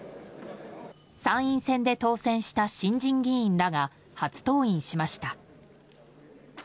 参院選で当選した新人議員らが初登院しました。